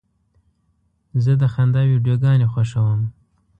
زه د خندا ویډیوګانې خوښوم.